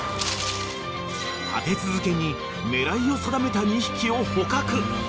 ［立て続けに狙いを定めた２匹を捕獲］